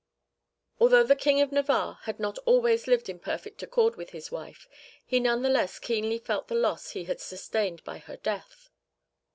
(1) Although the King of Navarre had not always lived in perfect accord with his wife, he none the less keenly felt the loss he had sustained by her death.